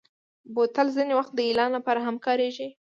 بوتل ځینې وخت د اعلان لپاره هم کارېږي.